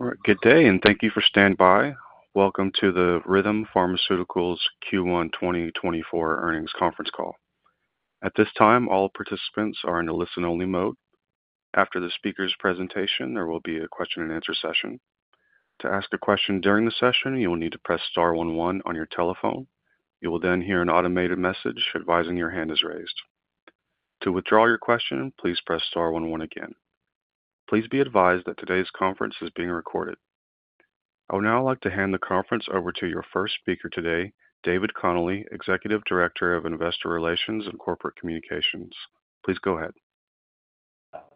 All right, good day, and thank you for standing by. Welcome to the Rhythm Pharmaceuticals Q1 2024 earnings conference call. At this time, all participants are in a listen-only mode. After the speaker's presentation, there will be a question-and-answer session. To ask a question during the session, you will need to press star one one on your telephone. You will then hear an automated message advising your hand is raised. To withdraw your question, please press star one one again. Please be advised that today's conference is being recorded. I would now like to hand the conference over to your first speaker today, David Connolly, Executive Director of Investor Relations and Corporate Communications. Please go ahead.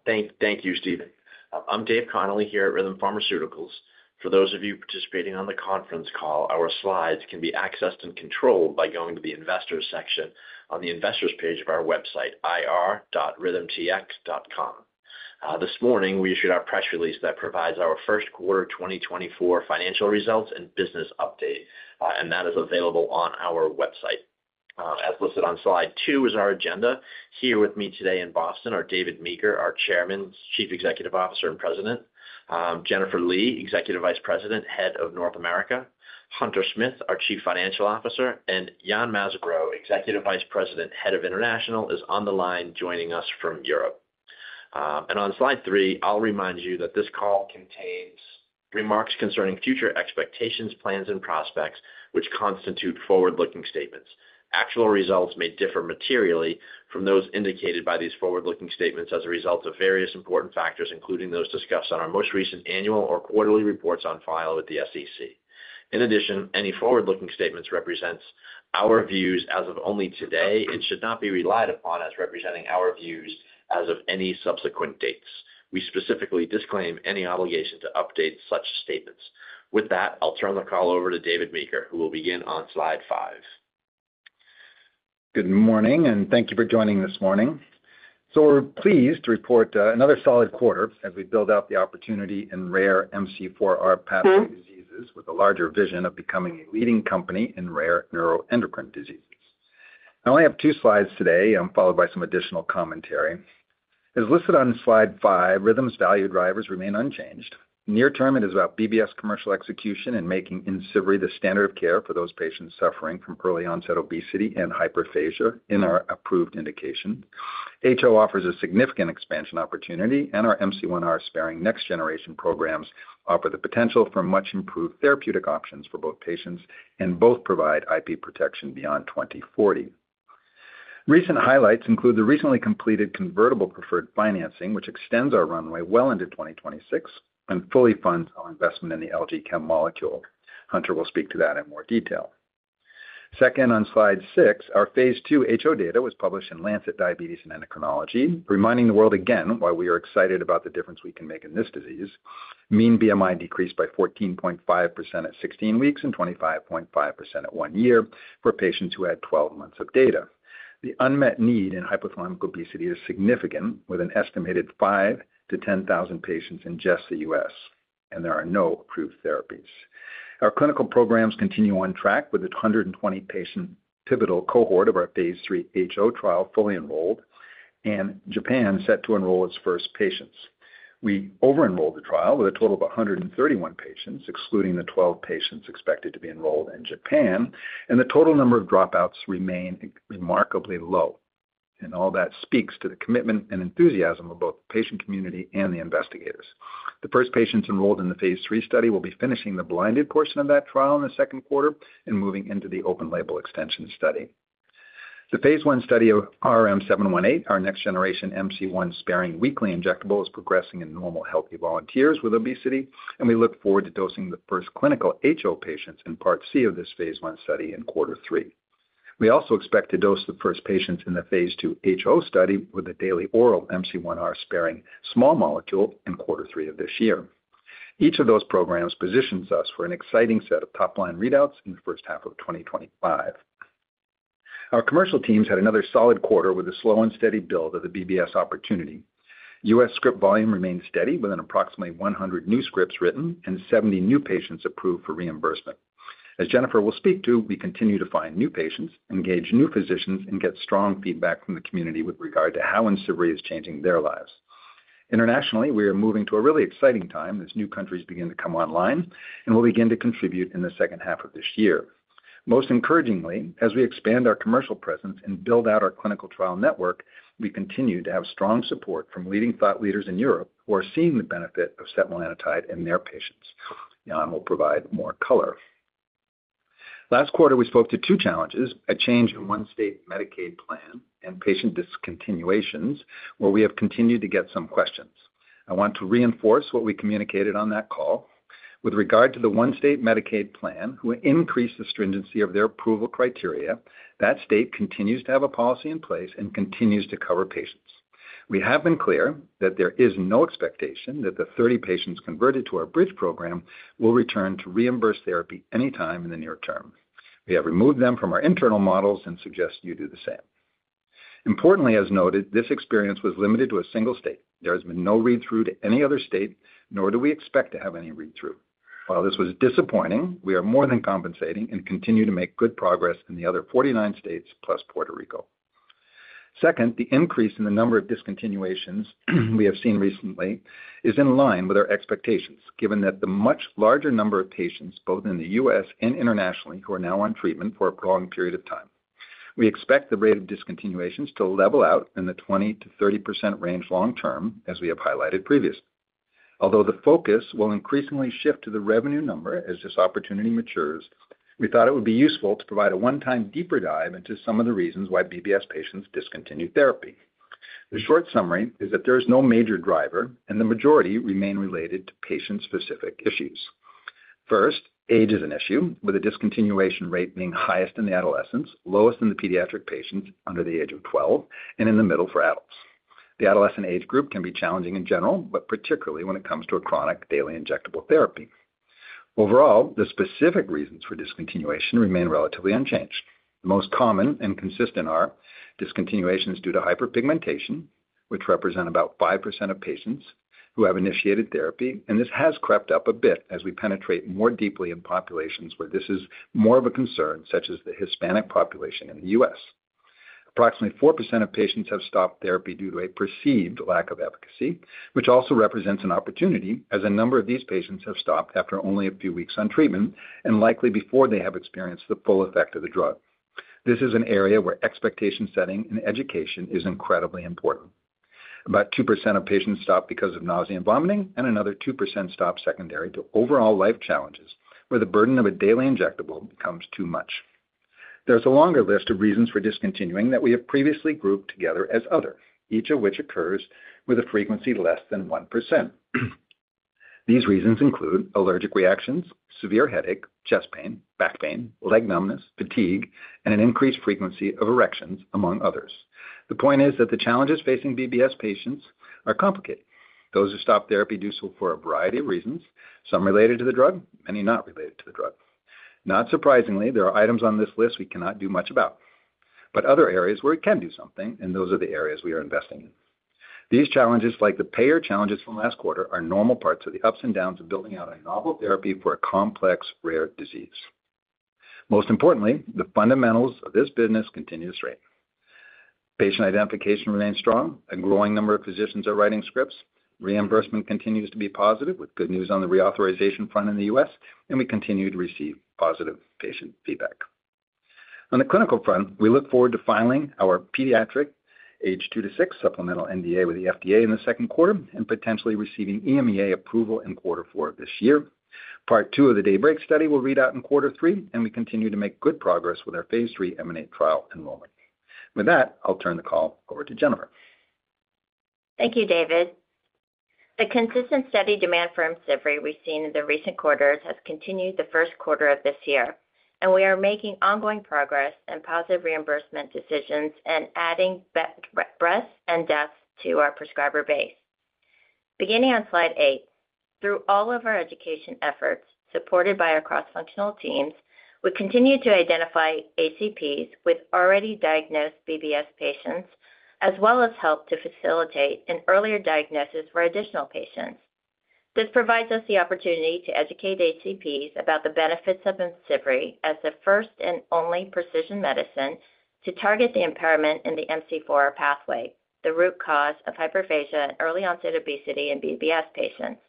Thank you, Stephen. I'm Dave Connolly here at Rhythm Pharmaceuticals. For those of you participating on the conference call, our slides can be accessed and controlled by going to the Investors section on the Investors page of our website, ir.rhythmtx.com. This morning, we issued our press release that provides our first quarter 2024 financial results and business update, and that is available on our website. As listed on slide two is our agenda. Here with me today in Boston are David Meeker, our Chairman, Chief Executive Officer and President; Jennifer Lee, Executive Vice President, Head of North America; Hunter Smith, our Chief Financial Officer; and Yann Mazabraud, Executive Vice President, Head of International, is on the line joining us from Europe. On slide three, I'll remind you that this call contains remarks concerning future expectations, plans, and prospects which constitute forward-looking statements. Actual results may differ materially from those indicated by these forward-looking statements as a result of various important factors, including those discussed on our most recent annual or quarterly reports on file with the SEC. In addition, any forward-looking statements represent our views as of only today and should not be relied upon as representing our views as of any subsequent dates. We specifically disclaim any obligation to update such statements. With that, I'll turn the call over to David Meeker, who will begin on slide five. Good morning, and thank you for joining this morning. So we're pleased to report another solid quarter as we build out the opportunity in rare MC4R pathway diseases with a larger vision of becoming a leading company in rare neuroendocrine diseases. I only have two slides today, followed by some additional commentary. As listed on slide five, Rhythm's value drivers remain unchanged. Near term, it is about BBS commercial execution and making IMCIVREE the standard of care for those patients suffering from early onset obesity and hyperphagia in our approved indication. HO offers a significant expansion opportunity, and our MC1R sparing next-generation programs offer the potential for much-improved therapeutic options for both patients and both provide IP protection beyond 2040. Recent highlights include the recently completed convertible preferred financing, which extends our runway well into 2026 and fully funds our investment in the LG Chem molecule. Hunter will speak to that in more detail. Second, on slide six, our phase II HO data was published in Lancet Diabetes and Endocrinology, reminding the world again why we are excited about the difference we can make in this disease: mean BMI decreased by 14.5% at 16 weeks and 25.5% at one year for patients who had 12 months of data. The unmet need in hypothalamic obesity is significant, with an estimated 5,000-10,000 patients in just the U.S., and there are no approved therapies. Our clinical programs continue on track with the 120-patient pivotal cohort of our phase III HO trial fully enrolled and Japan set to enroll its first patients. We over-enrolled the trial with a total of 131 patients, excluding the 12 patients expected to be enrolled in Japan, and the total number of dropouts remained remarkably low. All that speaks to the commitment and enthusiasm of both the patient community and the investigators. The first patients enrolled in the phase III study will be finishing the blinded portion of that trial in the second quarter and moving into the open-label extension study. The phase I study of RM-718, our next-generation MC1R-sparing weekly injectable, is progressing in normal healthy volunteers with obesity, and we look forward to dosing the first clinical HO patients in part C of this phase I study in quarter three. We also expect to dose the first patients in the phase II HO study with the daily oral MC1R-sparing small molecule in quarter three of this year. Each of those programs positions us for an exciting set of top-line readouts in the first half of 2025. Our commercial teams had another solid quarter with a slow and steady build of the BBS opportunity. U.S. script volume remained steady, with an approximately 100 new scripts written and 70 new patients approved for reimbursement. As Jennifer will speak to, we continue to find new patients, engage new physicians, and get strong feedback from the community with regard to how IMCIVREE is changing their lives. Internationally, we are moving to a really exciting time as new countries begin to come online and will begin to contribute in the second half of this year. Most encouragingly, as we expand our commercial presence and build out our clinical trial network, we continue to have strong support from leading thought leaders in Europe who are seeing the benefit of setmelanotide in their patients. Yann will provide more color. Last quarter, we spoke to two challenges: a change in one state Medicaid plan and patient discontinuations, where we have continued to get some questions. I want to reinforce what we communicated on that call. With regard to the one state Medicaid plan, who increased the stringency of their approval criteria, that state continues to have a policy in place and continues to cover patients. We have been clear that there is no expectation that the 30 patients converted to our Bridge program will return to reimbursed therapy anytime in the near term. We have removed them from our internal models and suggest you do the same. Importantly, as noted, this experience was limited to a single state. There has been no read-through to any other state, nor do we expect to have any read-through. While this was disappointing, we are more than compensating and continue to make good progress in the other 49 states plus Puerto Rico. Second, the increase in the number of discontinuations we have seen recently is in line with our expectations, given that the much larger number of patients, both in the U.S. and internationally, who are now on treatment for a prolonged period of time. We expect the rate of discontinuations to level out in the 20%-30% range long term, as we have highlighted previously. Although the focus will increasingly shift to the revenue number as this opportunity matures, we thought it would be useful to provide a one-time deeper dive into some of the reasons why BBS patients discontinue therapy. The short summary is that there is no major driver, and the majority remain related to patient-specific issues. First, age is an issue, with a discontinuation rate being highest in the adolescents, lowest in the pediatric patients under the age of 12, and in the middle for adults. The adolescent age group can be challenging in general, but particularly when it comes to a chronic daily injectable therapy. Overall, the specific reasons for discontinuation remain relatively unchanged. The most common and consistent are discontinuations due to hyperpigmentation, which represent about 5% of patients who have initiated therapy, and this has crept up a bit as we penetrate more deeply in populations where this is more of a concern, such as the Hispanic population in the U.S. Approximately 4% of patients have stopped therapy due to a perceived lack of efficacy, which also represents an opportunity as a number of these patients have stopped after only a few weeks on treatment and likely before they have experienced the full effect of the drug. This is an area where expectation setting and education is incredibly important. About 2% of patients stop because of nausea and vomiting, and another 2% stop secondary to overall life challenges, where the burden of a daily injectable becomes too much. There's a longer list of reasons for discontinuing that we have previously grouped together as other, each of which occurs with a frequency less than 1%. These reasons include allergic reactions, severe headache, chest pain, back pain, leg numbness, fatigue, and an increased frequency of erections, among others. The point is that the challenges facing BBS patients are complicated. Those who stop therapy do so for a variety of reasons, some related to the drug, many not related to the drug. Not surprisingly, there are items on this list we cannot do much about, but other areas where it can do something, and those are the areas we are investing in. These challenges, like the payer challenges from last quarter, are normal parts of the ups and downs of building out a novel therapy for a complex rare disease. Most importantly, the fundamentals of this business continue to straighten. Patient identification remains strong. A growing number of physicians are writing scripts. Reimbursement continues to be positive, with good news on the reauthorization front in the U.S., and we continue to receive positive patient feedback. On the clinical front, we look forward to filing our pediatric age two to six supplemental NDA with the FDA in the second quarter and potentially receiving EMA approval in quarter four of this year. Part two of the DAYBREAK study will read out in quarter three, and we continue to make good progress with our phase III HO trial enrollment. With that, I'll turn the call over to Jennifer. Thank you, David. The consistent, steady demand for IMCIVREE we've seen in the recent quarters has continued in the first quarter of this year, and we are making ongoing progress in positive reimbursement decisions and adding breadth and depth to our prescriber base. Beginning on slide eight, through all of our education efforts supported by our cross-functional teams, we continue to identify HCPs with already diagnosed BBS patients as well as help to facilitate an earlier diagnosis for additional patients. This provides us the opportunity to educate HCPs about the benefits of IMCIVREE as the first and only precision medicine to target the impairment in the MC4 pathway, the root cause of hyperphagia and early onset obesity in BBS patients.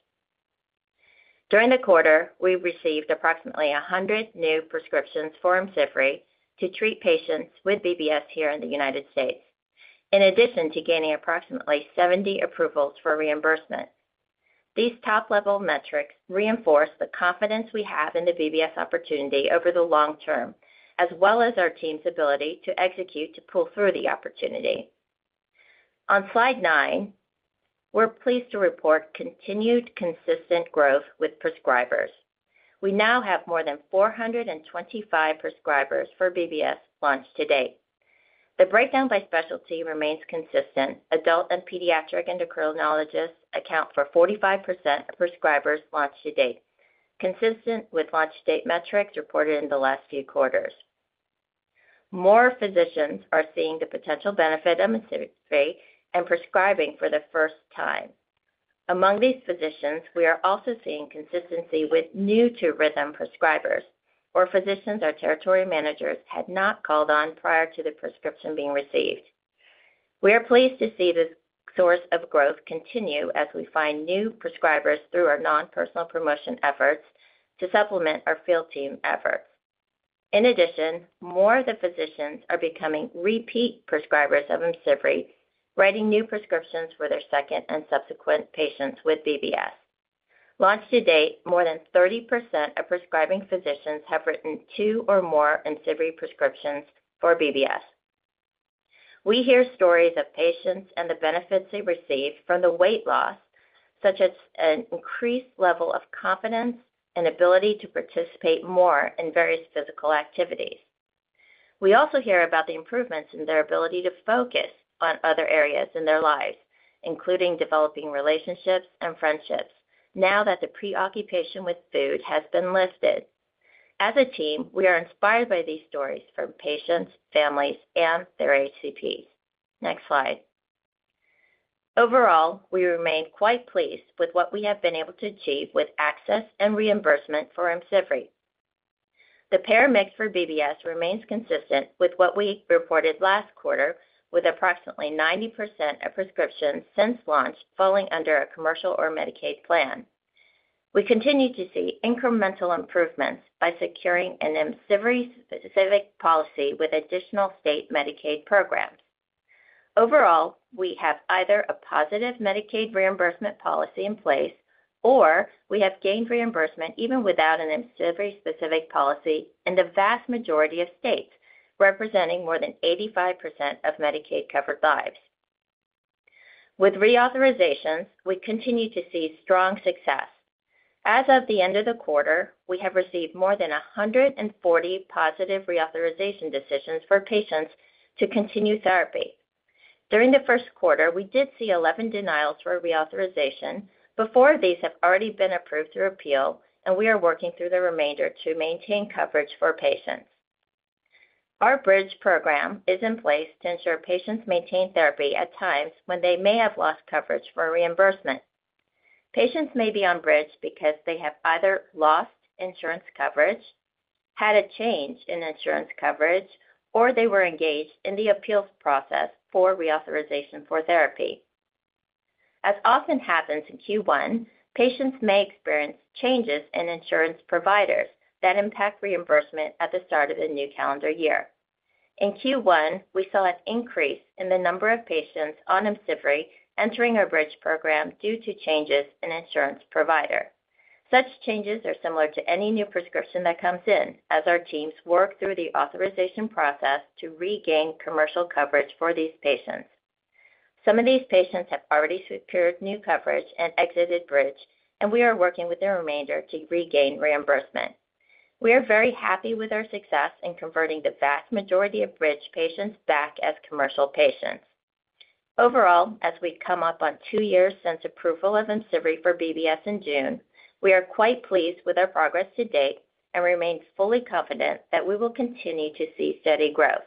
During the quarter, we received approximately 100 new prescriptions for IMCIVREE to treat patients with BBS here in the United States, in addition to gaining approximately 70 approvals for reimbursement. These top-level metrics reinforce the confidence we have in the BBS opportunity over the long term, as well as our team's ability to execute to pull through the opportunity. On slide nine, we're pleased to report continued consistent growth with prescribers. We now have more than 425 prescribers for BBS launched to date. The breakdown by specialty remains consistent. Adult and pediatric endocrinologists account for 45% of prescribers launched to date, consistent with launch date metrics reported in the last few quarters. More physicians are seeing the potential benefit of IMCIVREE and prescribing for the first time. Among these physicians, we are also seeing consistency with new-to-Rhythm prescribers, where physicians or territory managers had not called on prior to the prescription being received. We are pleased to see this source of growth continue as we find new prescribers through our nonpersonal promotion efforts to supplement our field team efforts. In addition, more of the physicians are becoming repeat prescribers of IMCIVREE, writing new prescriptions for their second and subsequent patients with BBS. Launched to date, more than 30% of prescribing physicians have written two or more IMCIVREE prescriptions for BBS. We hear stories of patients and the benefits they receive from the weight loss, such as an increased level of confidence and ability to participate more in various physical activities. We also hear about the improvements in their ability to focus on other areas in their lives, including developing relationships and friendships, now that the preoccupation with food has been lifted. As a team, we are inspired by these stories from patients, families, and their HCPs. Next slide. Overall, we remain quite pleased with what we have been able to achieve with access and reimbursement for IMCIVREE. The payer mix for BBS remains consistent with what we reported last quarter, with approximately 90% of prescriptions since launch falling under a commercial or Medicaid plan. We continue to see incremental improvements by securing an IMCIVREE-specific policy with additional state Medicaid programs. Overall, we have either a positive Medicaid reimbursement policy in place, or we have gained reimbursement even without an IMCIVREE-specific policy in the vast majority of states, representing more than 85% of Medicaid-covered lives. With reauthorizations, we continue to see strong success. As of the end of the quarter, we have received more than 140 positive reauthorization decisions for patients to continue therapy. During the first quarter, we did see 11 denials for reauthorization. Four of these, have already been approved through appeal, and we are working through the remainder to maintain coverage for patients. Our Bridge program is in place to ensure patients maintain therapy at times when they may have lost coverage for reimbursement. Patients may be on Bridge because they have either lost insurance coverage, had a change in insurance coverage, or they were engaged in the appeals process for reauthorization for therapy. As often happens in Q1, patients may experience changes in insurance providers that impact reimbursement at the start of a new calendar year. In Q1, we saw an increase in the number of patients on IMCIVREE entering our Bridge program due to changes in insurance provider. Such changes are similar to any new prescription that comes in, as our teams work through the authorization process to regain commercial coverage for these patients. Some of these patients have already secured new coverage and exited bridge, and we are working with the remainder to regain reimbursement. We are very happy with our success in converting the vast majority of bridge patients back as commercial patients. Overall, as we come up on two years since approval of IMCIVREE for BBS in June, we are quite pleased with our progress to date and remain fully confident that we will continue to see steady growth.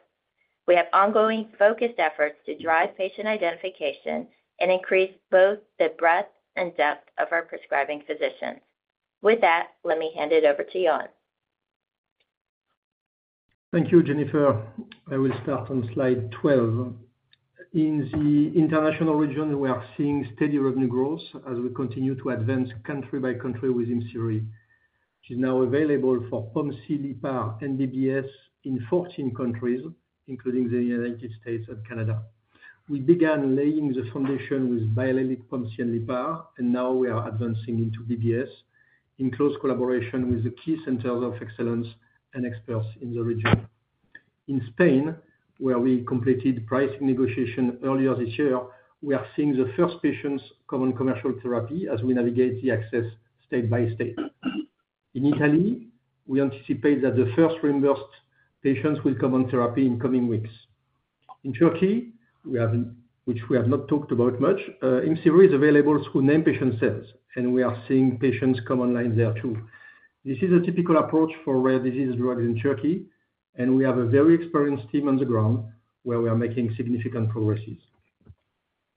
We have ongoing focused efforts to drive patient identification and increase both the breadth and depth of our prescribing physicians. With that, let me hand it over to Yann. Thank you, Jennifer. I will start on slide 12. In the international region, we are seeing steady revenue growth as we continue to advance country by country with IMCIVREE. It is now available for POMC, LEPR, and BBS in 14 countries, including the United States and Canada. We began laying the foundation with biallelic POMC and LEPR, and now we are advancing into BBS in close collaboration with the Key Centers of Excellence and experts in the region. In Spain, where we completed pricing negotiations earlier this year, we are seeing the first patients come on commercial therapy as we navigate the access state by state. In Italy, we anticipate that the first reimbursed patients will come on therapy in coming weeks. In Turkey, which we have not talked about much, IMCIVREE is available through named patient sales, and we are seeing patients come online there too. This is a typical approach for rare disease drugs in Turkey, and we have a very experienced team on the ground where we are making significant progress.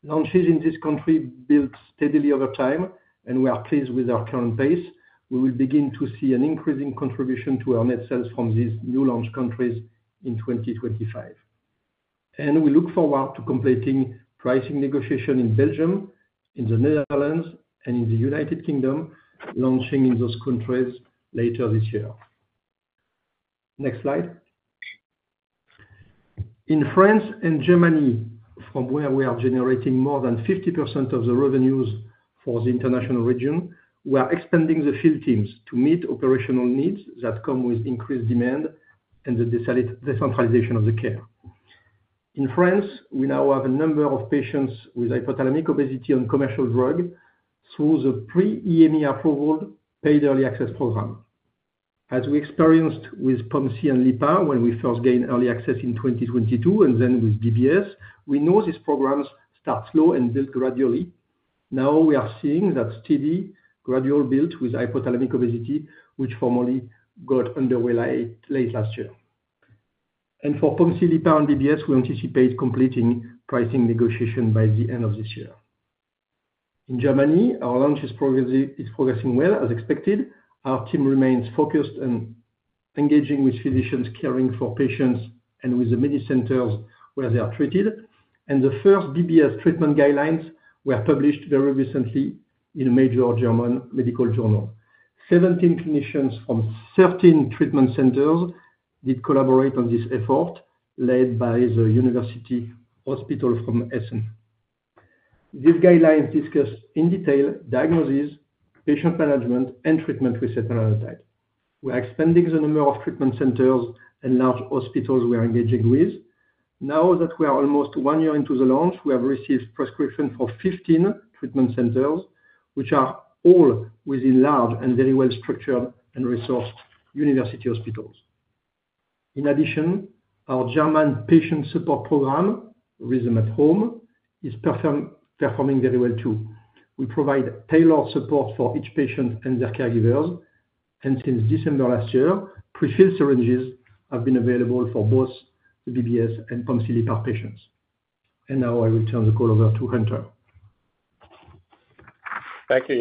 Launches in this country built steadily over time, and we are pleased with our current pace. We will begin to see an increasing contribution to our net sales from these new launch countries in 2025. We look forward to completing pricing negotiations in Belgium, in the Netherlands, and in the United Kingdom, launching in those countries later this year. Next slide. In France and Germany, from where we are generating more than 50% of the revenues for the international region, we are expanding the field teams to meet operational needs that come with increased demand and the decentralization of the care. In France, we now have a number of patients with hypothalamic obesity on commercial drugs through the pre-EMA-approved paid early access program. As we experienced with POMC and LEPR when we first gained early access in 2022 and then with BBS, we know these programs start slow and build gradually. Now we are seeing that steady, gradual build with hypothalamic obesity, which formally got underway late last year. And for POMC, LEPR, and BBS, we anticipate completing pricing negotiations by the end of this year. In Germany, our launch is progressing well as expected. Our team remains focused and engaging with physicians caring for patients and with the centers where they are treated. And the first BBS treatment guidelines were published very recently in a major German medical journal. 17 clinicians from 13 treatment centers did collaborate on this effort led by the university hospital from Essen. These guidelines discuss in detail diagnosis, patient management, and treatment with setmelanotide. We are expanding the number of treatment centers and large hospitals we are engaging with. Now that we are almost one year into the launch, we have received prescriptions for 15 treatment centers, which are all within large and very well-structured and resourced university hospitals. In addition, our German patient support program, Rhythm at Home, is performing very well too. We provide tailored support for each patient and their caregivers. And since December last year, prefilled syringes have been available for both the BBS and POMC, LEPR patients. And now I will turn the call over to Hunter. Thank you,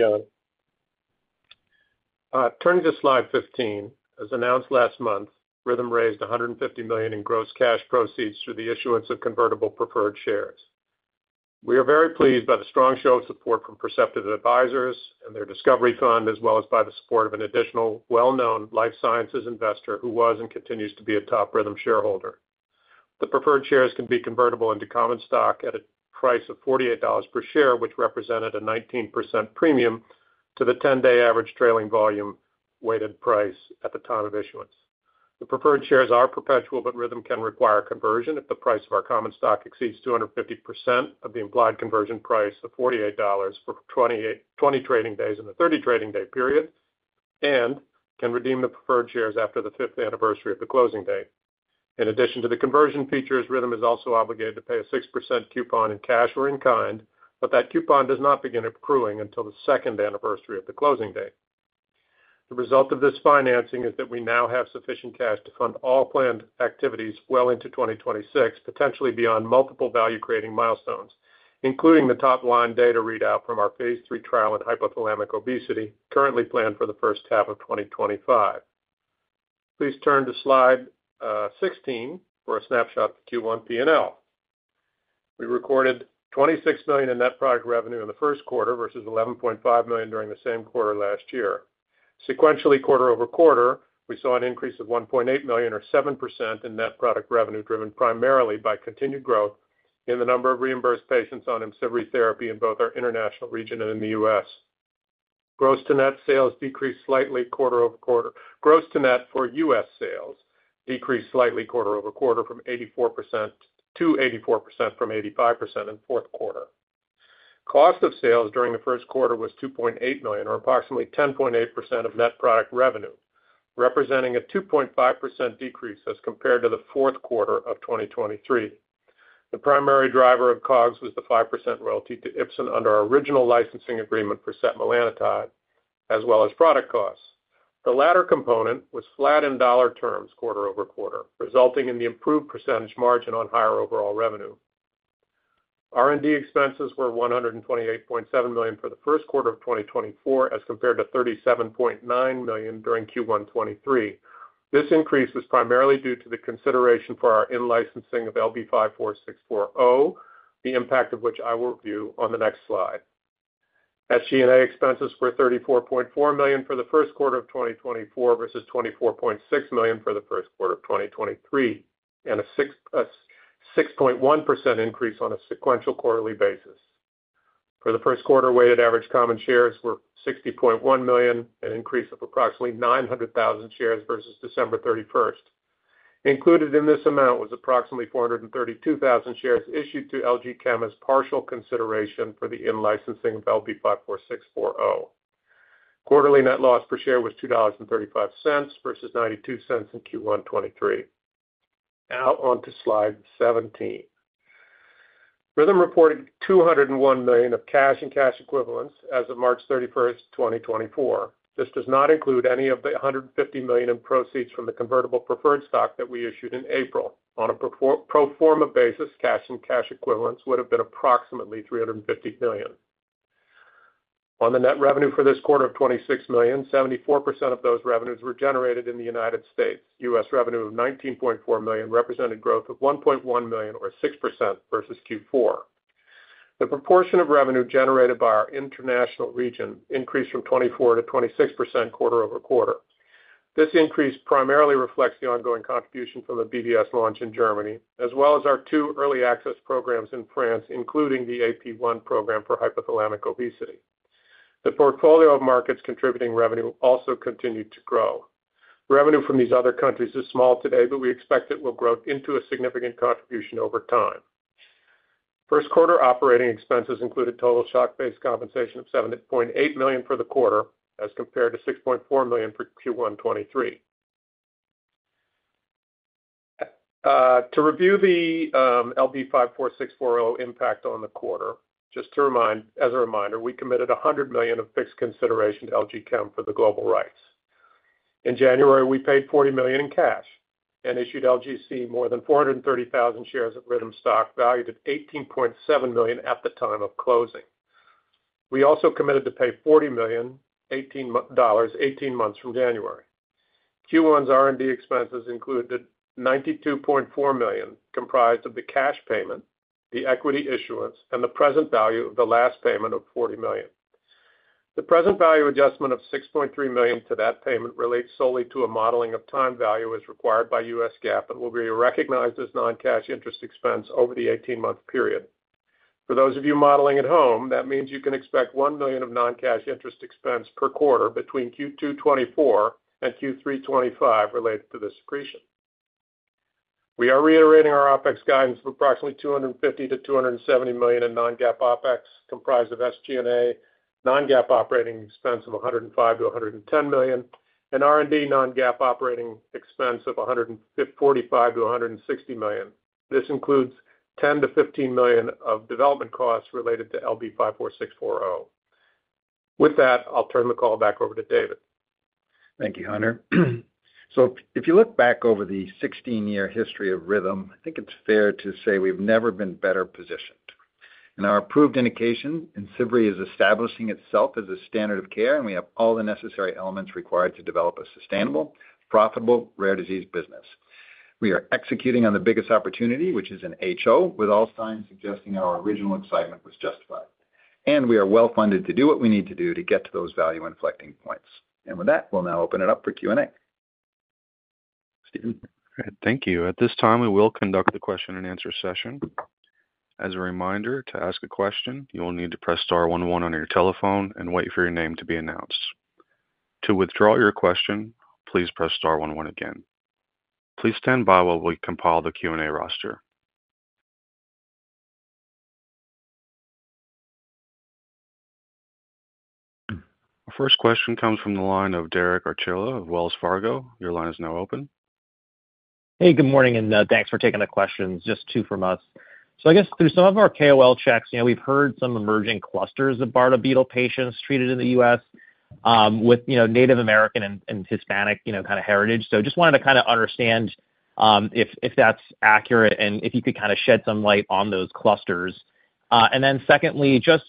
Yann. Turning to slide 15. As announced last month, Rhythm raised $150 million in gross cash proceeds through the issuance of convertible preferred shares. We are very pleased by the strong show of support from Perceptive Advisors and their Discovery Fund, as well as by the support of an additional well-known life sciences investor who was and continues to be a top Rhythm shareholder. The preferred shares can be convertible into common stock at a price of $48 per share, which represented a 19% premium to the 10-day average trailing volume weighted price at the time of issuance. The preferred shares are perpetual, but Rhythm can require conversion if the price of our common stock exceeds 250% of the implied conversion price of $48 for 20 trading days in the 30 trading day period and can redeem the preferred shares after the fifth anniversary of the closing date. In addition to the conversion features, Rhythm is also obligated to pay a 6% coupon in cash or in kind, but that coupon does not begin accruing until the second anniversary of the closing date. The result of this financing is that we now have sufficient cash to fund all planned activities well into 2026, potentially beyond multiple value-creating milestones, including the top-line data readout from our phase III trial in hypothalamic obesity currently planned for the first half of 2025. Please turn to slide 16 for a snapshot of Q1 P&L. We recorded $26 million in net product revenue in the first quarter versus $11.5 million during the same quarter last year. Sequentially, quarter-over-quarter, we saw an increase of $1.8 million, or 7%, in net product revenue driven primarily by continued growth in the number of reimbursed patients on IMCIVREE therapy in both our international region and in the U.S. Gross-to-net sales decreased slightly quarter-over-quarter. Gross-to-net for U.S. sales decreased slightly quarter-over-quarter from 84% to 84% from 85% in the fourth quarter. Cost of sales during the first quarter was $2.8 million, or approximately 10.8% of net product revenue, representing a 2.5% decrease as compared to the fourth quarter of 2023. The primary driver of COGS was the 5% royalty to Ipsen under our original licensing agreement for setmelanotide, as well as product costs. The latter component was flat in dollar terms quarter-over-quarter, resulting in the improved percentage margin on higher overall revenue. R&D expenses were $128.7 million for the first quarter of 2024 as compared to $37.9 million during Q1 2023. This increase was primarily due to the consideration for our in-licensing of LB54640, the impact of which I will review on the next slide. SG&A expenses were $34.4 million for the first quarter of 2024 versus $24.6 million for the first quarter of 2023, and a 6.1% increase on a sequential quarterly basis. For the first quarter, weighted average common shares were 60.1 million, an increase of approximately 900,000 shares versus December 31st. Included in this amount was approximately 432,000 shares issued to LG Chem as partial consideration for the in-licensing of LB54640. Quarterly net loss per share was $2.35 versus $0.92 in Q1 2023. Now on to slide 17. Rhythm reported $201 million of cash and cash equivalents as of March 31st, 2024. This does not include any of the $150 million in proceeds from the convertible preferred stock that we issued in April. On a pro forma basis, cash and cash equivalents would have been approximately $350 million. On the net revenue for this quarter of $26 million, 74% of those revenues were generated in the United States. U.S. revenue of $19.4 million represented growth of $1.1 million, or 6%, versus Q4. The proportion of revenue generated by our international region increased from 24%-26% quarter-over-quarter. This increase primarily reflects the ongoing contribution from the BBS launch in Germany, as well as our two early access programs in France, including the AP1 program for hypothalamic obesity. The portfolio of markets contributing revenue also continued to grow. Revenue from these other countries is small today, but we expect it will grow into a significant contribution over time. First quarter operating expenses included total stock-based compensation of $7.8 million for the quarter as compared to $6.4 million for Q1 2023. To review the LB54640 impact on the quarter, just as a reminder, we committed $100 million of fixed consideration to LG Chem for the global rights. In January, we paid $40 million in cash and issued LGC more than 430,000 shares of Rhythm stock valued at $18.7 million at the time of closing. We also committed to pay $40 million 18 months from January. Q1's R&D expenses included $92.4 million, comprised of the cash payment, the equity issuance, and the present value of the last payment of $40 million. The present value adjustment of $6.3 million to that payment relates solely to a modeling of time value as required by U.S. GAAP and will be recognized as non-cash interest expense over the 18-month period. For those of you modeling at home, that means you can expect $1 million of non-cash interest expense per quarter between Q2 2024 and Q3 2025 related to this securitization. We are reiterating our OpEx guidance of approximately $250 million-$270 million in non-GAAP OpEx, comprised of SG&A, non-GAAP operating expense of $105 million-$110 million, and R&D non-GAAP operating expense of $145 million-$160 million. This includes $10 million-$15 million of development costs related to LB54640. With that, I'll turn the call back over to David. Thank you, Hunter. So if you look back over the 16-year history of Rhythm, I think it's fair to say we've never been better positioned. In our approved indication, IMCIVREE is establishing itself as a standard of care, and we have all the necessary elements required to develop a sustainable, profitable, rare disease business. We are executing on the biggest opportunity, which is an HO, with all signs suggesting our original excitement was justified. We are well-funded to do what we need to do to get to those value-inflecting points. With that, we'll now open it up for Q&A. Steven. Thank you. At this time, we will conduct the question-and-answer session. As a reminder, to ask a question, you will need to press star one one on your telephone and wait for your name to be announced. To withdraw your question, please press star one one again. Please stand by while we compile the Q&A roster. Our first question comes from the line of Derek Archila of Wells Fargo. Your line is now open. Hey, good morning, and thanks for taking the questions. Just two from us. So I guess through some of our KOL checks, we've heard some emerging clusters of Bardet-Biedl patients treated in the U.S with Native American and Hispanic kind of heritage. So just wanted to ki.nd of understand if that's accurate and if you could kind of shed some light on those clusters. And then secondly, just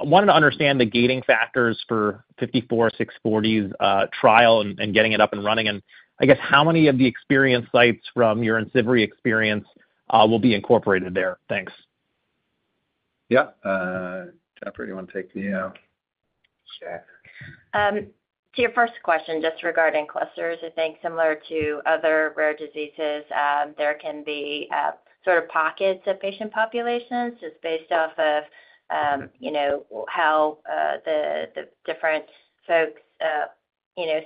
wanted to understand the gating factors for LB54640's trial and getting it up and running. And I guess how many of the experience sites from your IMCIVREE experience will be incorporated there? Thanks. Yeah. Jen, or do you want to take the share? To your first question, just regarding clusters, I think similar to other rare diseases, there can be sort of pockets of patient populations just based off of how the different folks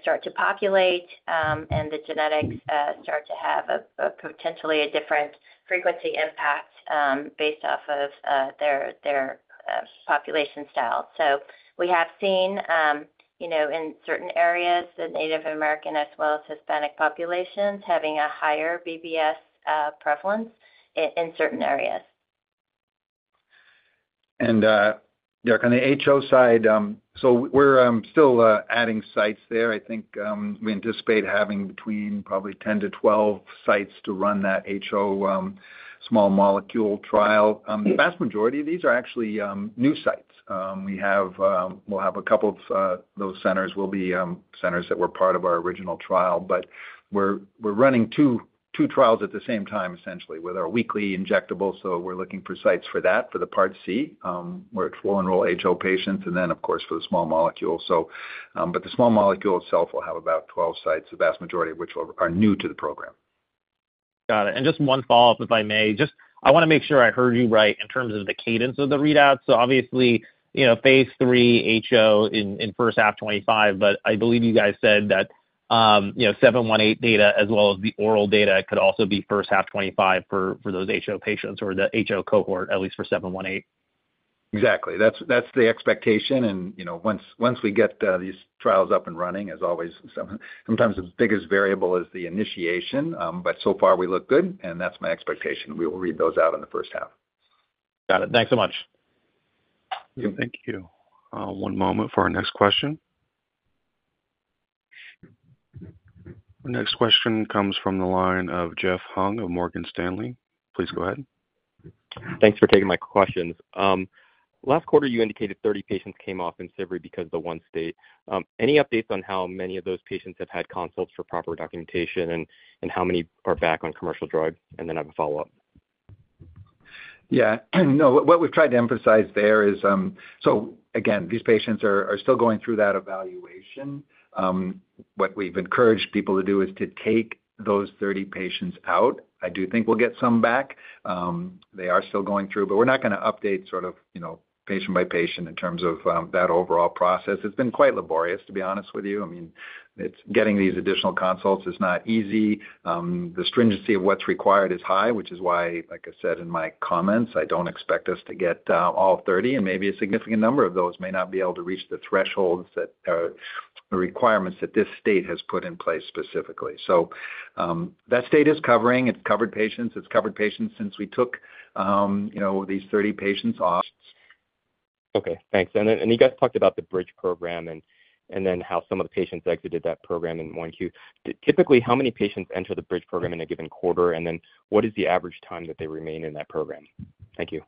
start to populate and the genetics start to have potentially a different frequency impact based off of their population style. So we have seen in certain areas the Native American as well as Hispanic populations having a higher BBS prevalence in certain areas. Derek, on the HO side, so we're still adding sites there. I think we anticipate having between probably 10-12 sites to run that HO small molecule trial. The vast majority of these are actually new sites. We'll have a couple of those centers will be centers that were part of our original trial. But we're running two trials at the same time, essentially, with our weekly injectable. So we're looking for sites for that, for the part C, where it will enroll HO patients and then, of course, for the small molecule. But the small molecule itself will have about 12 sites, the vast majority of which are new to the program. Got it. And just one follow-up, if I may. I want to make sure I heard you right in terms of the cadence of the readouts. So obviously, phase III HO in first half 2025, but I believe you guys said that 718 data as well as the oral data could also be first half 2025 for those HO patients or the HO cohort, at least for 718. Exactly. That's the expectation. Once we get these trials up and running, as always, sometimes the biggest variable is the initiation. So far, we look good, and that's my expectation. We will read those out in the first half. Got it. Thanks so much. Thank you. One moment for our next question. Our next question comes from the line of Jeff Hung of Morgan Stanley. Please go ahead. Thanks for taking my questions. Last quarter, you indicated 30 patients came off IMCIVREE because of the one state. Any updates on how many of those patients have had consults for proper documentation and how many are back on commercial drugs? And then I have a follow-up. Yeah. No, what we've tried to emphasize there is so again, these patients are still going through that evaluation. What we've encouraged people to do is to take those 30 patients out. I do think we'll get some back. They are still going through, but we're not going to update sort of patient by patient in terms of that overall process. It's been quite laborious, to be honest with you. I mean, getting these additional consults is not easy. The stringency of what's required is high, which is why, like I said in my comments, I don't expect us to get all 30. And maybe a significant number of those may not be able to reach the thresholds or requirements that this state has put in place specifically. So that state is covering. It's covered patients. It's covered patients since we took these 30 patients off. Okay. Thanks. You guys talked about the Bridge program and then how some of the patients exited that program in Q1. Typically, how many patients enter the Bridge program in a given quarter, and then what is the average time that they remain in that program? Thank you.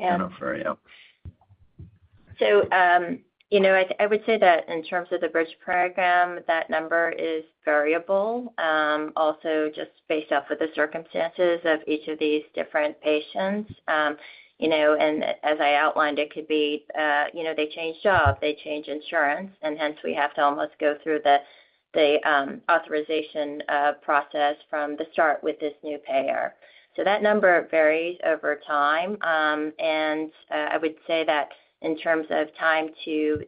I don't know for you. So I would say that in terms of the Bridge program, that number is variable, also just based off of the circumstances of each of these different patients. And as I outlined, it could be they change job, they change insurance, and hence we have to almost go through the authorization process from the start with this new payer. So that number varies over time. And I would say that in terms of time to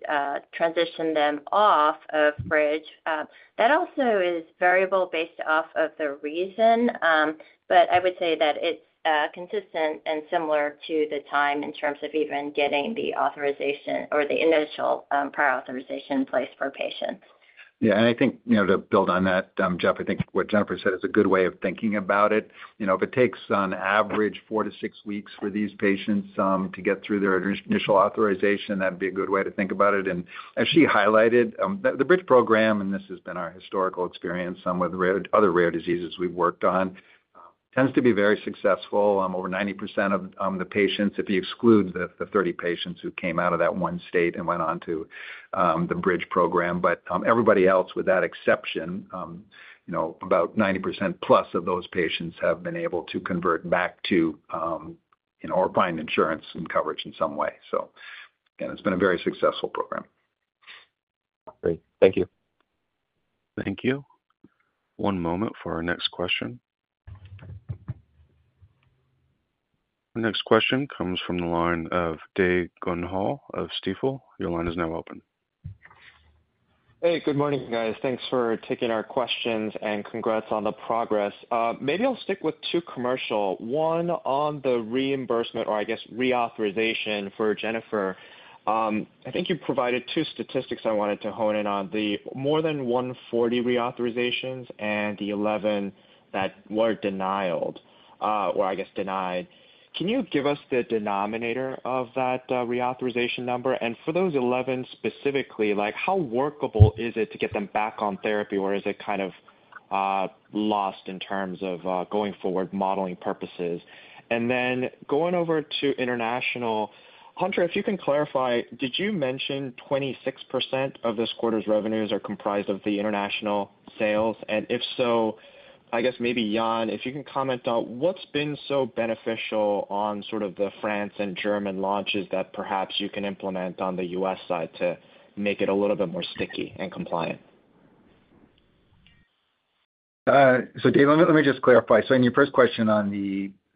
transition them off of bridge, that also is variable based off of the reason. But I would say that it's consistent and similar to the time in terms of even getting the authorization or the initial prior authorization in place for a patient. Yeah. I think to build on that, Jeff, I think what Jennifer said is a good way of thinking about it. If it takes on average four to six weeks for these patients to get through their initial authorization, that'd be a good way to think about it. As she highlighted, the Bridge program, and this has been our historical experience with other rare diseases we've worked on, tends to be very successful. Over 90% of the patients, if you exclude the 30 patients who came out of that one state and went on to the bridge program. Everybody else, with that exception, about 90% plus of those patients have been able to convert back to or find insurance and coverage in some way. Again, it's been a very successful program. Great. Thank you. Thank you. One moment for our next question. Our next question comes from the line of Dae Gon Ha of Stifel. Your line is now open. Hey, good morning, guys. Thanks for taking our questions and congrats on the progress. Maybe I'll stick with two commercial. One on the reimbursement or, I guess, reauthorization for Jennifer. I think you provided two statistics I wanted to hone in on: the more than 140 reauthorizations and the 11 that were denied or, I guess, denied. Can you give us the denominator of that reauthorization number? And for those 11 specifically, how workable is it to get them back on therapy, or is it kind of lost in terms of going forward modeling purposes? And then going over to international, Hunter, if you can clarify, did you mention 26% of this quarter's revenues are comprised of the international sales? If so, I guess maybe, Yann, if you can comment on what's been so beneficial on sort of the France and Germany launches that perhaps you can implement on the U.S. side to make it a little bit more sticky and compliant? So Dae, let me just clarify. So in your first question on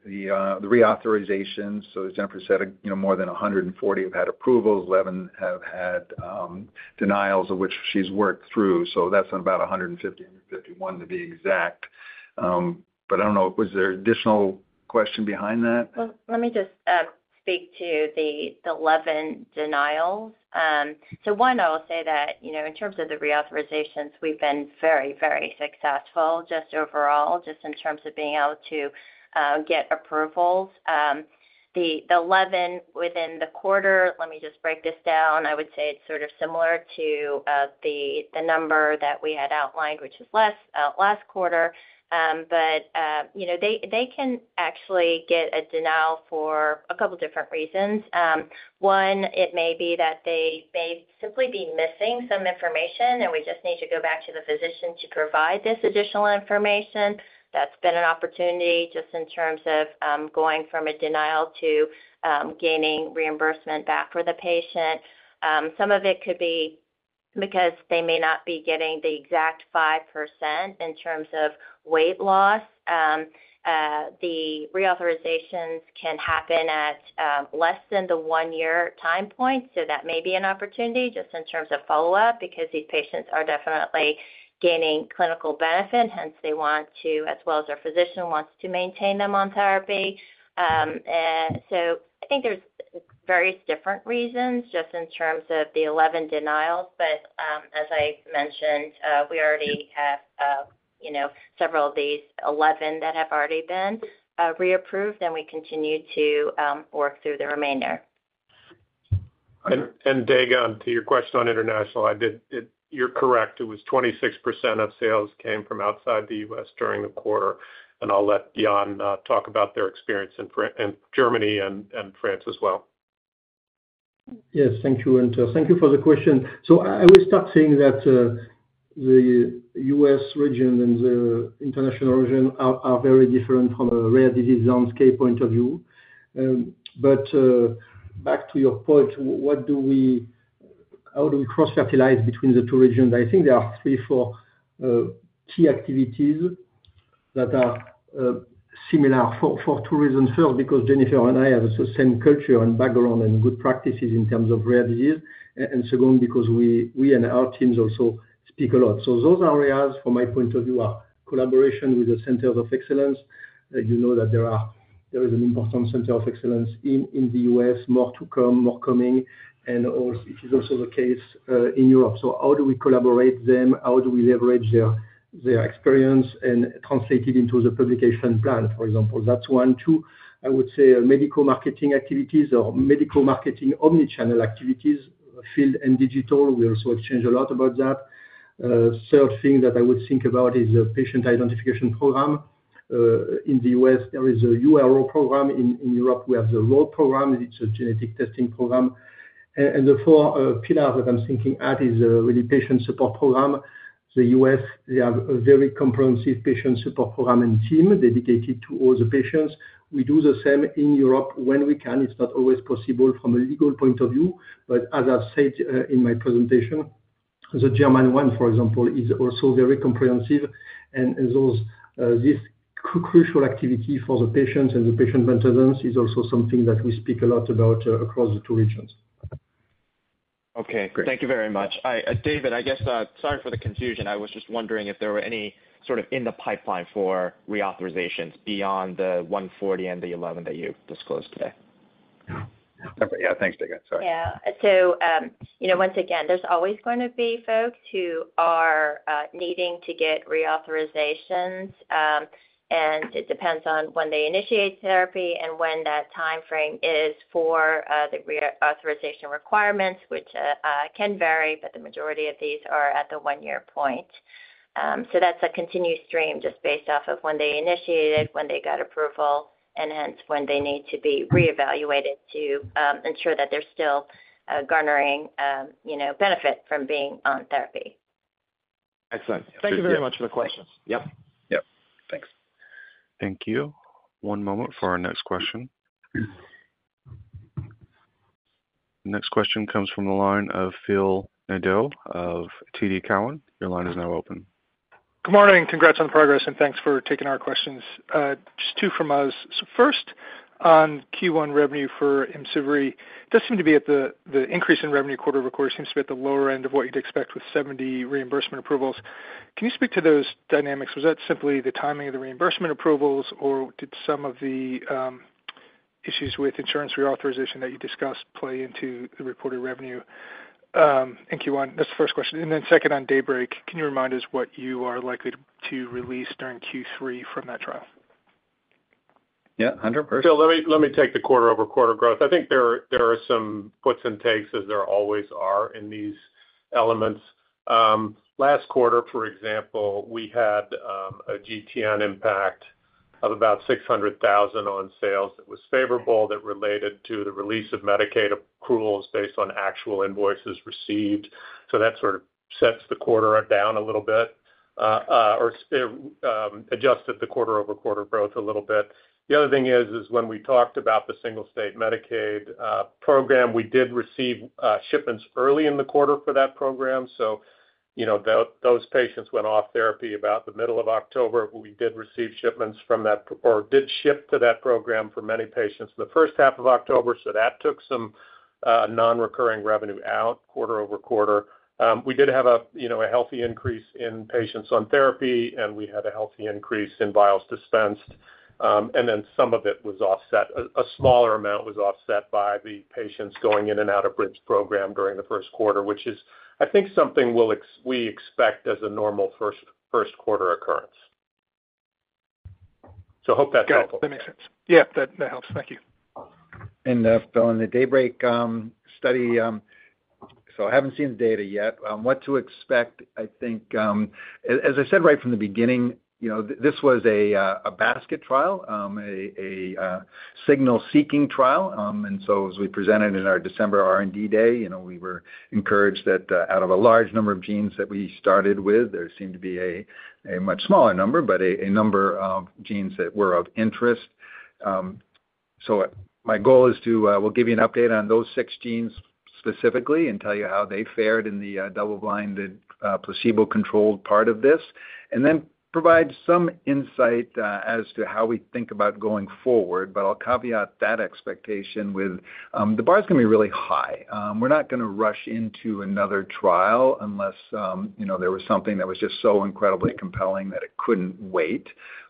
the reauthorizations, so as Jennifer said, more than 140 have had approvals, 11 have had denials, of which she's worked through. So that's on about 150, 151 to be exact. But I don't know, was there an additional question behind that? Well, let me just speak to the 11 denials. So one, I will say that in terms of the reauthorizations, we've been very, very successful just overall, just in terms of being able to get approvals. The 11 within the quarter, let me just break this down, I would say it's sort of similar to the number that we had outlined, which was less last quarter. But they can actually get a denial for a couple of different reasons. One, it may be that they may simply be missing some information, and we just need to go back to the physician to provide this additional information. That's been an opportunity just in terms of going from a denial to gaining reimbursement back for the patient. Some of it could be because they may not be getting the exact 5% in terms of weight loss. The reauthorizations can happen at less than the one-year time point. So that may be an opportunity just in terms of follow-up because these patients are definitely gaining clinical benefit. Hence, they want to, as well as their physician wants to maintain them on therapy. So I think there's various different reasons just in terms of the 11 denials. But as I mentioned, we already have several of these 11 that have already been reapproved, and we continue to work through the remainder. Dae Gon, to your question on international, you're correct. It was 26% of sales came from outside the U.S. during the quarter. I'll let Yann talk about their experience in Germany and France as well. Yes. Thank you, Hunter. Thank you for the question. I will start saying that the U.S. region and the international region are very different from a rare disease landscape point of view. But back to your point, how do we cross-fertilize between the two regions? I think there are three, four key activities that are similar for our teams first because Jennifer and I have the same culture and background and good practices in terms of rare disease. And second, because we and our teams also speak a lot. Those areas, from my point of view, are collaboration with the centers of excellence. You know that there is an important center of excellence in the U.S., more to come, more coming. It is also the case in Europe. How do we collaborate with them? How do we leverage their experience and translate it into the publication plan, for example? That's one. Two, I would say medical marketing activities or medical marketing omnichannel activities, field and digital. We also exchange a lot about that. Third thing that I would think about is the patient identification program. In the U.S., there is a URO program. In Europe, we have the ROAD program. It's a genetic testing program. And the four pillars that I'm thinking at is really patient support program. The U.S., they have a very comprehensive patient support program and team dedicated to all the patients. We do the same in Europe when we can. It's not always possible from a legal point of view. But as I've said in my presentation, the German one, for example, is also very comprehensive. This crucial activity for the patients and the patient mentors is also something that we speak a lot about across the two regions. Okay. Thank you very much. David, I guess, sorry for the confusion. I was just wondering if there were any sort of in the pipeline for reauthorizations beyond the 140 and the 11 that you disclosed today. Yeah. Thanks, Dae Gon. Sorry. Yeah. Once again, there's always going to be folks who are needing to get reauthorizations. And it depends on when they initiate therapy and when that time frame is for the reauthorization requirements, which can vary, but the majority of these are at the one-year point. So that's a continuous stream just based off of when they initiated, when they got approval, and hence when they need to be reevaluated to ensure that they're still garnering benefit from being on therapy. Excellent. Thank you very much for the questions. Yep. Yep. Thanks. Thank you. One moment for our next question. Next question comes from the line of Phil Nadeau of TD Cowen. Your line is now open. Good morning. Congrats on the progress, and thanks for taking our questions. Just two from us. So first, on Q1 revenue for IMCIVREE, it does seem to be at the increase in revenue quarter-over-quarter seems to be at the lower end of what you'd expect with 70 reimbursement approvals. Can you speak to those dynamics? Was that simply the timing of the reimbursement approvals, or did some of the issues with insurance reauthorization that you discussed play into the reported revenue in Q1? That's the first question. And then second, on DAYBREAK, can you remind us what you are likely to release during Q3 from that trial? Yeah. 100%. Phil, let me take the quarter-over-quarter growth. I think there are some puts and takes as there always are in these elements. Last quarter, for example, we had a GTN impact of about $600,000 on sales that was favorable that related to the release of Medicaid accruals based on actual invoices received. So that sort of sets the quarter down a little bit or adjusted the quarter-over-quarter growth a little bit. The other thing is when we talked about the single-state Medicaid program, we did receive shipments early in the quarter for that program. So those patients went off therapy about the middle of October. We did receive shipments from that or did ship to that program for many patients in the first half of October. So that took some non-recurring revenue out quarter-over-quarter. We did have a healthy increase in patients on therapy, and we had a healthy increase in vials dispensed. Then some of it was offset. A smaller amount was offset by the patients going in and out of Bridge program during the first quarter, which is, I think, something we expect as a normal first-quarter occurrence. I hope that's helpful. Got it. That makes sense. Yeah. That helps. Thank you. And Phil, in the DAYBREAK study, so I haven't seen the data yet, what to expect, I think as I said right from the beginning, this was a basket trial, a signal-seeking trial. And so as we presented in our December R&D Day, we were encouraged that out of a large number of genes that we started with, there seemed to be a much smaller number, but a number of genes that were of interest. So my goal is to we'll give you an update on those six genes specifically and tell you how they fared in the double-blinded placebo-controlled part of this, and then provide some insight as to how we think about going forward. But I'll caveat that expectation with the bar is going to be really high. We're not going to rush into another trial unless there was something that was just so incredibly compelling that it couldn't wait.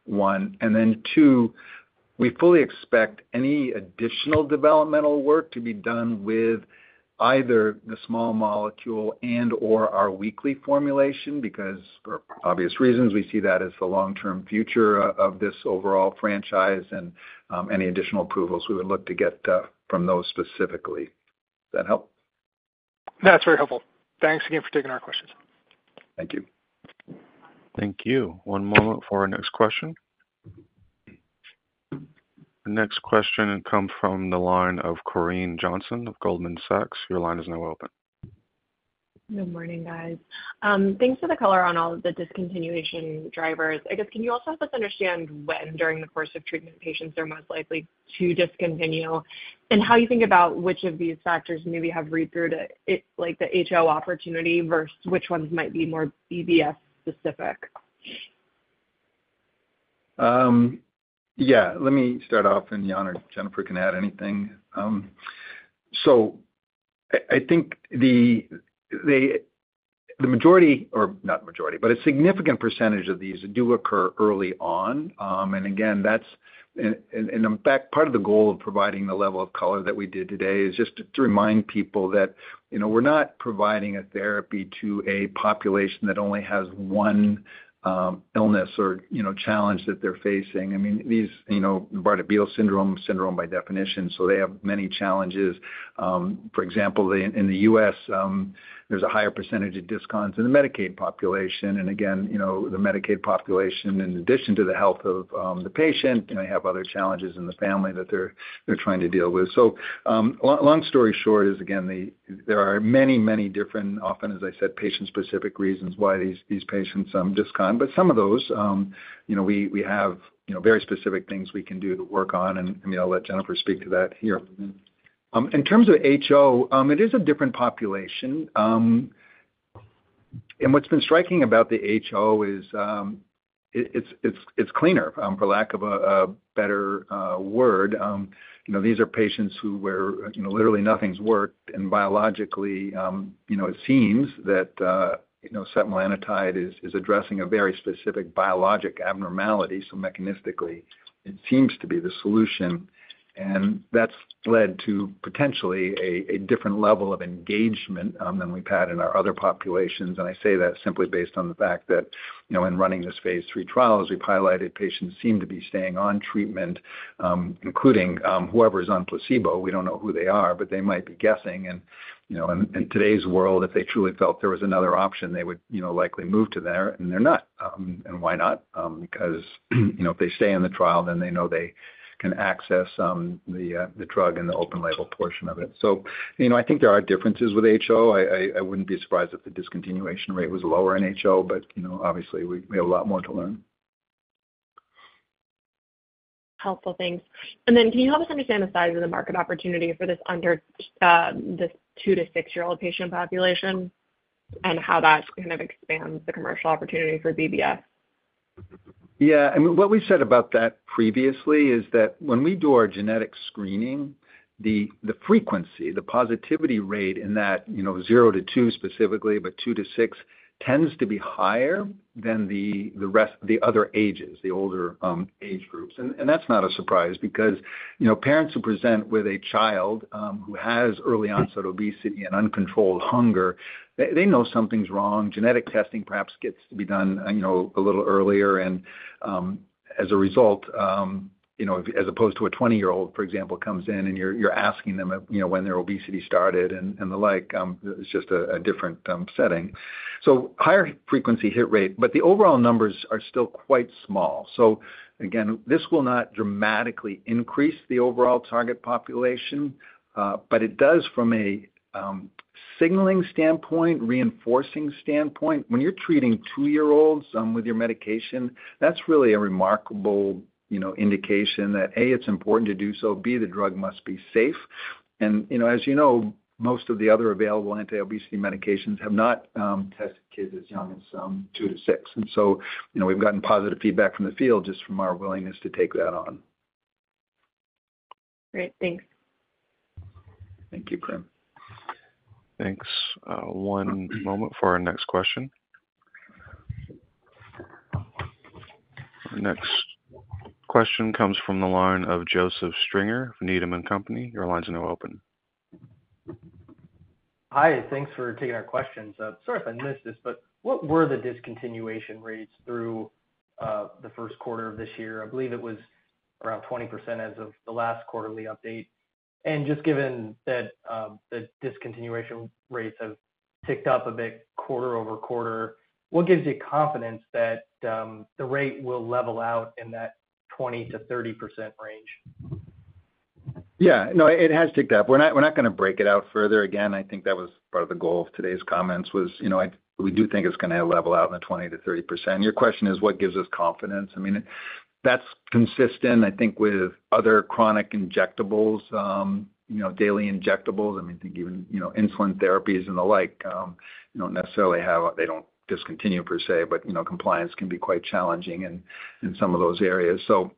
One. And then two, we fully expect any additional developmental work to be done with either the small molecule and/or our weekly formulation because for obvious reasons, we see that as the long-term future of this overall franchise. And any additional approvals, we would look to get from those specifically. Does that help? That's very helpful. Thanks again for taking our questions. Thank you. Thank you. One moment for our next question. Our next question comes from the line of Corinne Johnson of Goldman Sachs. Your line is now open. Good morning, guys. Thanks for the color on all of the discontinuation drivers. I guess, can you also help us understand when, during the course of treatment, patients are most likely to discontinue and how you think about which of these factors maybe have read through the HO opportunity versus which ones might be more BBS-specific? Yeah. Let me start off, and Yann or Jennifer can add anything. So I think the majority or not the majority, but a significant percentage of these do occur early on. And again, in fact, part of the goal of providing the level of color that we did today is just to remind people that we're not providing a therapy to a population that only has one illness or challenge that they're facing. I mean, Bardet-Biedl syndrome, syndrome by definition, so they have many challenges. For example, in the U.S., there's a higher percentage of discontinuations in the Medicaid population. And again, the Medicaid population, in addition to the health of the patient, they have other challenges in the family that they're trying to deal with. So long story short is, again, there are many, many different, often, as I said, patient-specific reasons why these patients discount. But some of those, we have very specific things we can do to work on. And I'll let Jennifer speak to that here. In terms of HO, it is a different population. And what's been striking about the HO is it's cleaner, for lack of a better word. These are patients where literally nothing's worked. And biologically, it seems that setmelanotide is addressing a very specific biologic abnormality. So mechanistically, it seems to be the solution. And that's led to potentially a different level of engagement than we've had in our other populations. And I say that simply based on the fact that in running this phase III trial, as we've highlighted, patients seem to be staying on treatment, including whoever is on placebo. We don't know who they are, but they might be guessing. And in today's world, if they truly felt there was another option, they would likely move to there. And they're not. And why not? Because if they stay in the trial, then they know they can access the drug and the open-label portion of it. So I think there are differences with HO. I wouldn't be surprised if the discontinuation rate was lower in HO. But obviously, we have a lot more to learn. Helpful. Thanks. And then can you help us understand the size of the market opportunity for this two to six year-old patient population and how that kind of expands the commercial opportunity for BBS? Yeah. I mean, what we've said about that previously is that when we do our genetic screening, the frequency, the positivity rate in that zero to two specifically, but two to six, tends to be higher than the other ages, the older age groups. And that's not a surprise because parents who present with a child who has early-onset obesity and uncontrolled hunger, they know something's wrong. Genetic testing perhaps gets to be done a little earlier. And as a result, as opposed to a 20-year-old, for example, comes in and you're asking them when their obesity started and the like, it's just a different setting. So higher frequency hit rate. But the overall numbers are still quite small. So again, this will not dramatically increase the overall target population. But it does, from a signaling standpoint, reinforcing standpoint, when you're treating two year-olds with your medication, that's really a remarkable indication that, A, it's important to do so, B, the drug must be safe. And as you know, most of the other available anti-obesity medications have not tested kids as young as two to six. And so we've gotten positive feedback from the field just from our willingness to take that on. Great. Thanks. Thank you, Corinne. Thanks. One moment for our next question. Our next question comes from the line of Joseph Stringer of Needham & Company. Your line's now open. Hi. Thanks for taking our questions. Sorry if I missed this, but what were the discontinuation rates through the first quarter of this year? I believe it was around 20% as of the last quarterly update. And just given that the discontinuation rates have ticked up a bit quarter-over-quarter, what gives you confidence that the rate will level out in that 20%-30% range? Yeah. No, it has ticked up. We're not going to break it out further. Again, I think that was part of the goal of today's comments was we do think it's going to level out in the 20%-30%. Your question is, what gives us confidence? I mean, that's consistent, I think, with other chronic injectables, daily injectables. I mean, think even insulin therapies and the like. They don't discontinue per se, but compliance can be quite challenging in some of those areas. So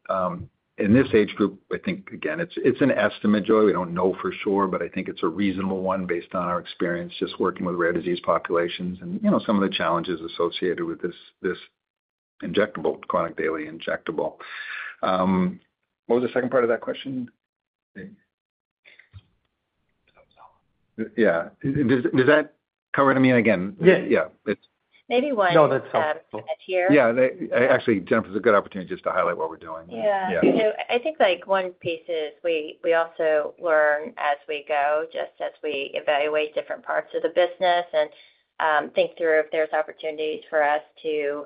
in this age group, I think, again, it's an estimate, Joey. We don't know for sure, but I think it's a reasonable one based on our experience just working with rare disease populations and some of the challenges associated with this injectable, chronic daily injectable. What was the second part of that question? Yeah. Does that cover it? I mean, again, yeah. Maybe one. No, that's helpful. Yeah. Actually, Jennifer, it's a good opportunity just to highlight what we're doing. Yeah. So, I think one piece is we also learn as we go, just as we evaluate different parts of the business and think through if there's opportunities for us to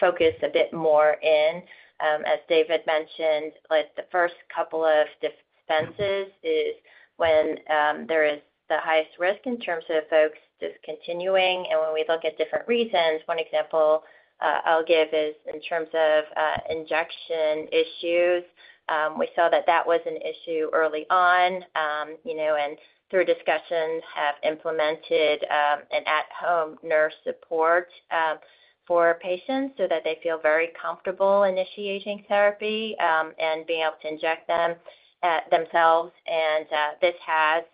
focus a bit more in. As David mentioned, the first couple of dispenses is when there is the highest risk in terms of folks discontinuing. And when we look at different reasons, one example I'll give is in terms of injection issues. We saw that that was an issue early on. And through discussions, have implemented an at-home nurse support for patients so that they feel very comfortable initiating therapy and being able to inject them themselves. And this has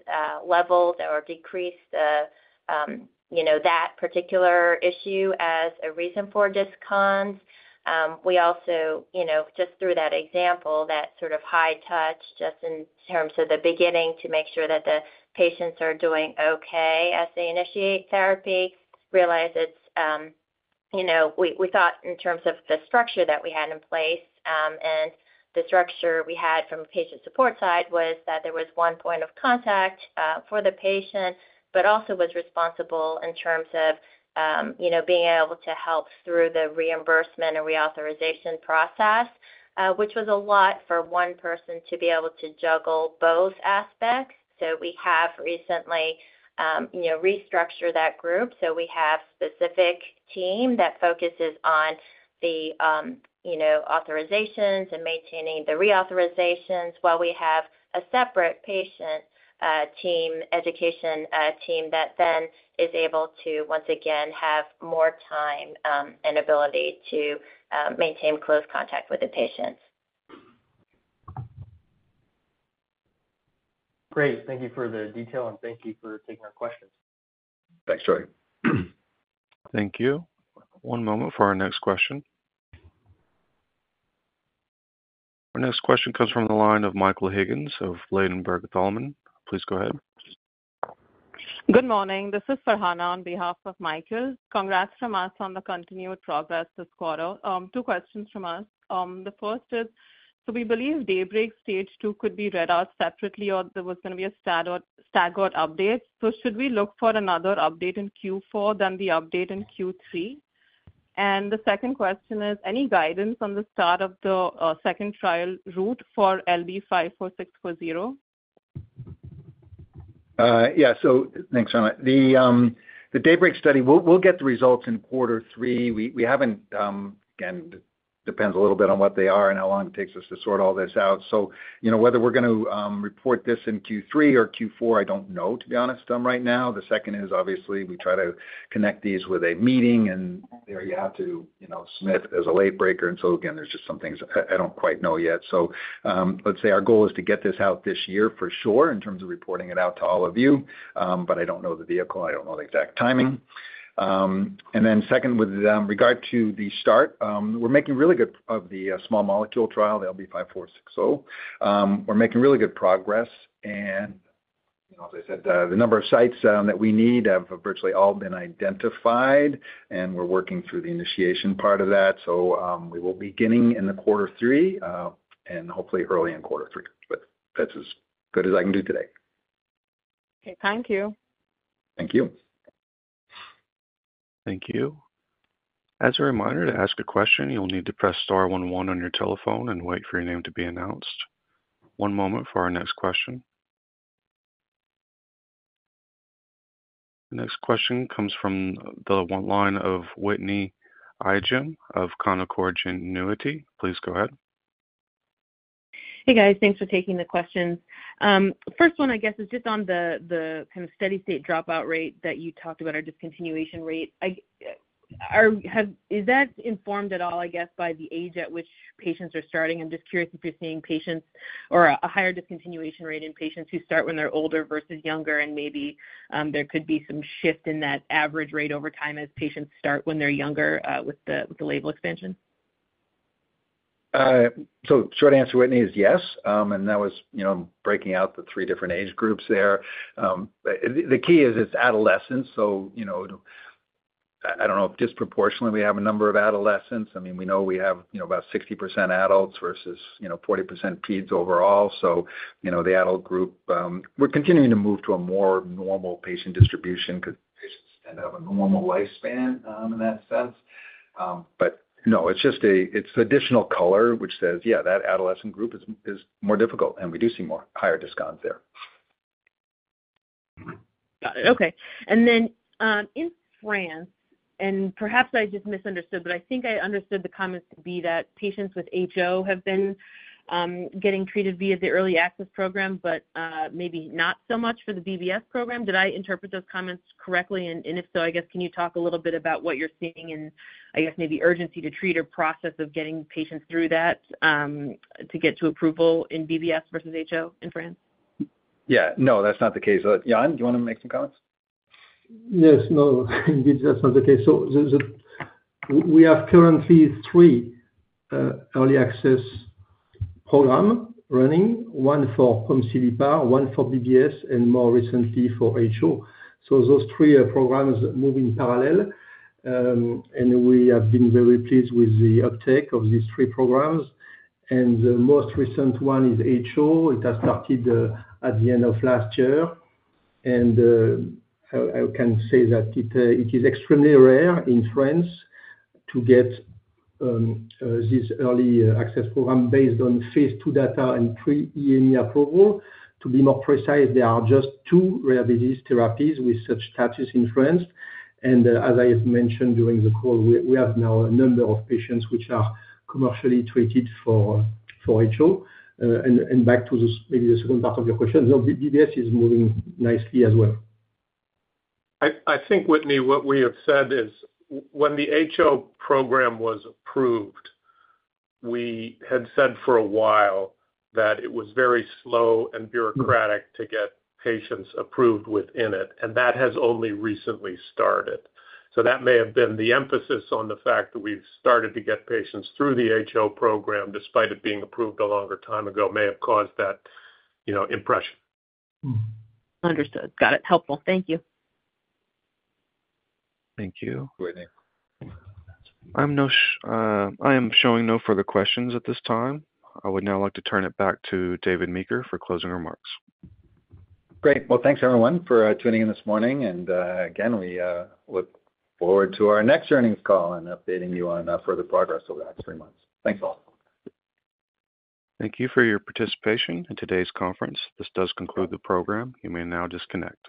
leveled or decreased that particular issue as a reason for discontinuations. We also, just through that example, that sort of high touch, just in terms of the beginning, to make sure that the patients are doing okay as they initiate therapy, realize it's we thought in terms of the structure that we had in place. The structure we had from the patient support side was that there was one point of contact for the patient, but also was responsible in terms of being able to help through the reimbursement and reauthorization process, which was a lot for one person to be able to juggle both aspects. We have recently restructured that group. We have a specific team that focuses on the authorizations and maintaining the reauthorizations, while we have a separate patient team, education team, that then is able to, once again, have more time and ability to maintain close contact with the patients. Great. Thank you for the detail, and thank you for taking our questions. Thanks, Joseph. Thank you. One moment for our next question. Our next question comes from the line of Michael Higgins of Ladenburg Thalmann. Please go ahead. Good morning. This is Farhana on behalf of Michael. Congrats from us on the continued progress this quarter. Two questions from us. The first is, so we believe DAYBREAK stage two could be read out separately, or there was going to be a staggered update. So should we look for another update in Q4 than the update in Q3? And the second question is, any guidance on the start of the second trial route for LB54640? Yeah. So thanks, Farhana. The DAYBREAK study, we'll get the results in quarter three. Again, it depends a little bit on what they are and how long it takes us to sort all this out. So whether we're going to report this in Q3 or Q4, I don't know, to be honest, right now. The second is, obviously, we try to connect these with a meeting, and there you have to submit as a late breaker. And so again, there's just some things I don't quite know yet. So let's say our goal is to get this out this year for sure in terms of reporting it out to all of you. But I don't know the vehicle. I don't know the exact timing. And then second, with regard to the start, we're making really good of the small molecule trial, the LB54640. We're making really good progress. As I said, the number of sites that we need have virtually all been identified, and we're working through the initiation part of that. We will be beginning in the quarter three and hopefully early in quarter three. That's as good as I can do today. Okay. Thank you. Thank you. Thank you. As a reminder, to ask a question, you'll need to press star 11 on your telephone and wait for your name to be announced. One moment for our next question. The next question comes from the line of Whitney Ijem of Canaccord Genuity. Please go ahead. Hey, guys. Thanks for taking the questions. First one, I guess, is just on the kind of steady-state dropout rate that you talked about or discontinuation rate. Is that informed at all, I guess, by the age at which patients are starting? I'm just curious if you're seeing patients or a higher discontinuation rate in patients who start when they're older versus younger, and maybe there could be some shift in that average rate over time as patients start when they're younger with the label expansion? So short answer, Whitney, is yes. And that was breaking out the three different age groups there. The key is it's adolescents. So I don't know if disproportionately we have a number of adolescents. I mean, we know we have about 60% adults versus 40% peds overall. So the adult group, we're continuing to move to a more normal patient distribution because patients tend to have a normal lifespan in that sense. But no, it's just additional color, which says, yeah, that adolescent group is more difficult. And we do see higher discounts there. Got it. Okay. And then in France, and perhaps I just misunderstood, but I think I understood the comments to be that patients with HO have been getting treated via the early access program, but maybe not so much for the BBS program. Did I interpret those comments correctly? And if so, I guess, can you talk a little bit about what you're seeing in, I guess, maybe urgency to treat or process of getting patients through that to get to approval in BBS versus HO in France? Yeah. No, that's not the case. Yann, do you want to make some comments? Yes. No, indeed, that's not the case. So we have currently three early access programs running, one for POMC, one for BBS, and more recently for HO. So those three programs move in parallel. And we have been very pleased with the uptake of these three programs. And the most recent one is HO. It has started at the end of last year. And I can say that it is extremely rare in France to get this early access program based on phase II data and pre-EMA approval. To be more precise, there are just two rare disease therapies with such status in France. And as I have mentioned during the call, we have now a number of patients which are commercially treated for HO. And back to maybe the second part of your question, no, BBS is moving nicely as well. I think, Whitney, what we have said is when the HO program was approved, we had said for a while that it was very slow and bureaucratic to get patients approved within it. That has only recently started. That may have been the emphasis on the fact that we've started to get patients through the HO program despite it being approved a longer time ago may have caused that impression. Understood. Got it. Helpful. Thank you. Thank you. Whitney. I am showing no further questions at this time. I would now like to turn it back to David Meeker for closing remarks. Great. Well, thanks, everyone, for tuning in this morning. Again, we look forward to our next earnings call and updating you on further progress over the next three months. Thanks all. Thank you for your participation in today's conference. This does conclude the program. You may now disconnect.